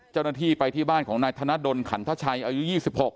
เจ้าหน้าที่ไปที่บ้านของนายธนดลขันทชัยอายุ๒๖